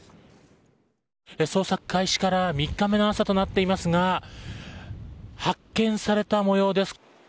捜索開始から３日目の朝となっていますが発見されたもようです。